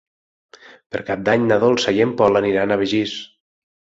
Per Cap d'Any na Dolça i en Pol aniran a Begís.